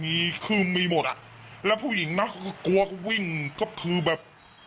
มีคือมีหมดอ่ะแล้วผู้หญิงนะเขาก็กลัวก็วิ่งก็คือแบบ